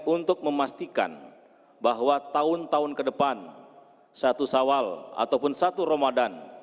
untuk memastikan bahwa tahun tahun ke depan satu sawal ataupun satu ramadan